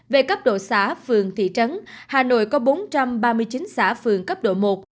về cấp độ xã phường thị trấn hà nội có bốn trăm ba mươi chín xã phường cấp độ một